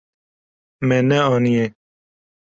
Me neaniye.